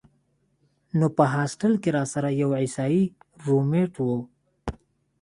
نو پۀ هاسټل کښې راسره يو عيسائي رومېټ وۀ